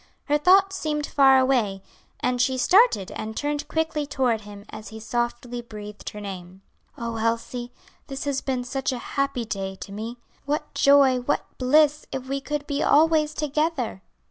Her thoughts seemed far away, and she started and turned quickly toward him as he softly breathed her name. "Oh, Elsie, this has been such a happy day to me! What joy, what bliss, if we could be always together!"